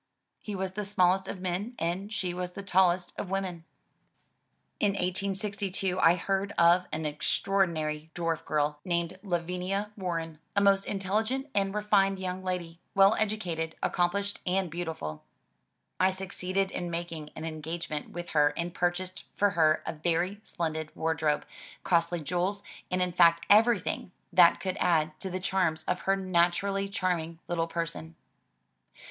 He was the smallest of men and she was the tallest of women. In 1862 I heard of an extraordinary dwarf girl, named Lavinia Warren, a most, intelligent and refined young lady, well educated, accompHshed and beautiful. I succeeded in making an engage 178 THE TREASURE CHEST ment with her and purchased for her a very splendid wardrobe, costly jewels, and in fact everything that could add to the charms of her naturally charming little person.